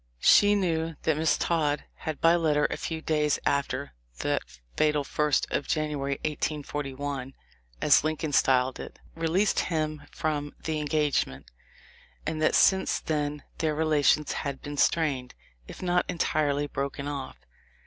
She knew that Miss Todd had by letter a few days after "that fatal first of January, 1841," as Lincoln styled it, released him from the en gagement, and that since then their relations had been strained, if not entirely broken off.